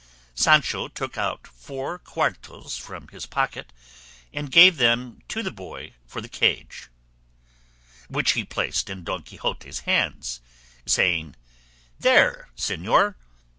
Sancho took out four cuartos from his pocket and gave them to the boy for the cage, which he placed in Don Quixote's hands, saying, "There, señor!